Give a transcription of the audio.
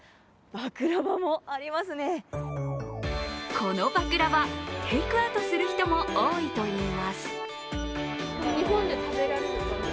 このバクラヴァ、テイクアウトする人も多いといいます。